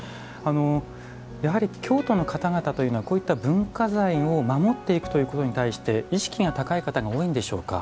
やはり京都の方々というのはこういった文化財を守っていくということに対して意識が高い方が多いんでしょうか。